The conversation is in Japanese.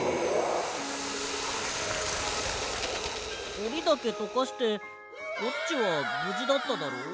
おりだけとかしてコッチはぶじだっただろ？